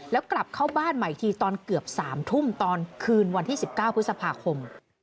แล้วกลับเข้าบ้านใหม่อีกทีตอนเกือบ๓ทุ่มตอนคืนวันที่๑๙พฤษภาคม